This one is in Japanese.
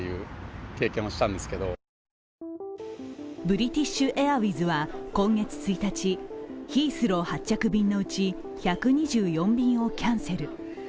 ブリティッシュ・エアウェイズは今月１日、ヒースロー発着便のうち１２４便をキャンセル。